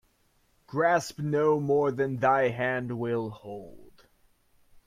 Grasp no more than thy hand will hold.